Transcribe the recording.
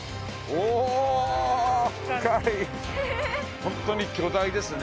本当に巨大ですね。